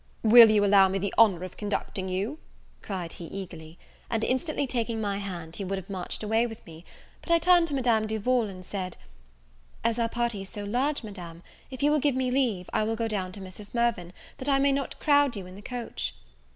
"Will you allow me the honour of conducting you?" cried he eagerly; and, instantly taking my hand, he would have marched away with me: but I turned to Madame Duval, and said, "As our party is so large, Madame, if you will give me leave, I will go down to Mrs. Mirvan, that I may not crowd you in the coach."